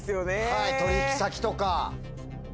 はい取引先とか。